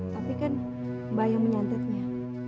tapi kan mbah yang menyantitnya